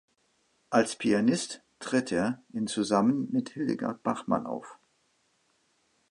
Als Pianist tritt er in zusammen mit Hildegard Bachmann auf.